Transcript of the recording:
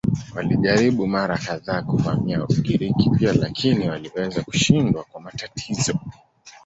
Walijaribu mara kadhaa kuvamia Ugiriki pia lakini waliweza kushindwa kwa matatizo.